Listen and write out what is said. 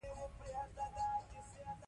ایا نجونې پوهېږي چې علم شریکول ټولنه ځواکمنوي؟